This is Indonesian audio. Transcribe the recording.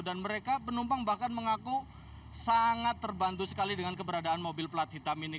dan mereka penumpang bahkan mengaku sangat terbantu sekali dengan keberadaan mobil plat hitam ini